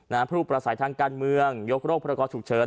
ผู้ประสัยทางการเมืองยกโรคพระกรฉุกเฉิน